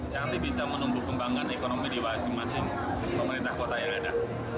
yang nanti bisa menumbuh kembangkan ekonomi di masing masing pemerintah kota yang ada